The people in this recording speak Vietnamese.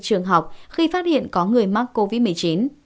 trường học khi phát hiện có người mắc covid một mươi chín